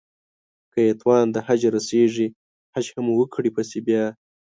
که يې توان د حج رسېږي حج هم وکړي پسې بيا